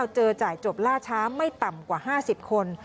จ่ายจบล่าช้าไม่ต่ำกว่า๕๐คน